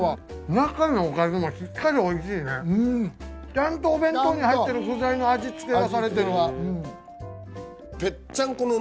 ちゃんとお弁当に入ってる具材の味付けがされてる。